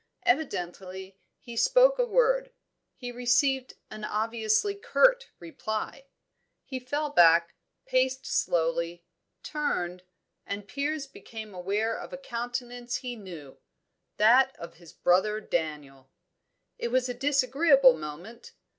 Evidently he spoke a word; he received an obviously curt reply; he fell back, paced slowly, turned and Piers became aware of a countenance he knew that of his brother Daniel. It was a disagreeable moment.